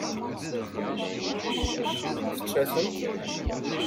Tečča-tent?